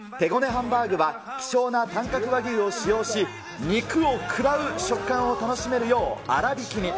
ハンバーグは、希少な短角和牛を使用し、肉を食らう食感を楽しめるよう、粗びきに。